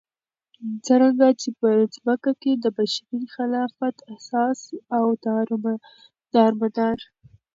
څرنګه چې په ځمكه كې دبشري خلافت اساس او دارمدار